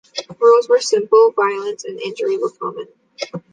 Rules were simple, violence and injury were common.